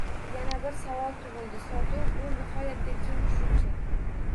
Yana bir savol tugʻildi: sotuv – bu nihoyatda keng tushuncha.